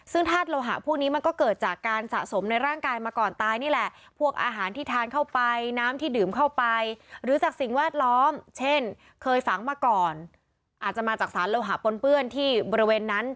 ซึ่งธาตุโลหะพวกนี้มันก็เกิดจากการสะสมในร่างกายมาก่อนตายนี่แหละ